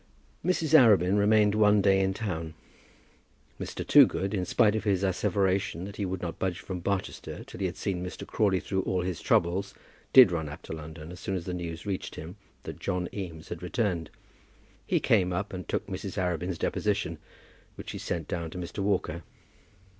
Mrs. Arabin remained one day in town. Mr. Toogood, in spite of his asseveration that he would not budge from Barchester till he had seen Mr. Crawley through all his troubles, did run up to London as soon as the news reached him that John Eames had returned. He came up and took Mrs. Arabin's deposition, which he sent down to Mr. Walker.